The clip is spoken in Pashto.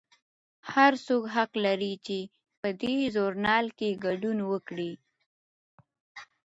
هر څوک حق لري چې په دې ژورنال کې ګډون وکړي.